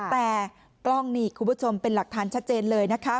แต่กล้องนี่คุณผู้ชมเป็นหลักฐานชัดเจนเลยนะคะ